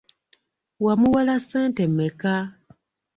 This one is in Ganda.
Wamuwola ssente mmeka?